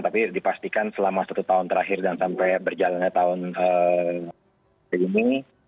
tapi dipastikan selama satu tahun terakhir dan sampai berjalannya tahun ini